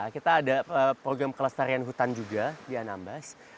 kita ada program kelestarian hutan juga di anambas